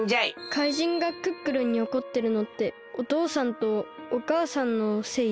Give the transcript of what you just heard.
かいじんがクックルンにおこってるのっておとうさんとおかあさんのせい？